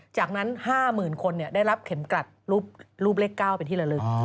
จากนั้น๕๐๐๐คนได้รับเข็มกลัดรูปเลข๙เป็นที่ละลึก